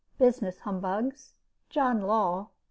BUSINESS HUMBUGS. JOHN LAW.